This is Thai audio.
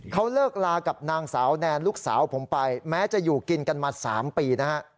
เขาเลิกลากับนางสาวแนนลูกสาวผมไปแม้จะอยู่กินกันมา๓ปีนะฮะ